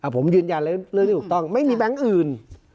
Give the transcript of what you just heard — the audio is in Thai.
ผมยืนยันแล้วเรื่องที่ถูกต้องไม่มีแบงค์อื่น